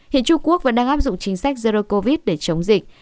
hiện trung quốc vẫn đang áp dụng chính sách zero covid để chống dịch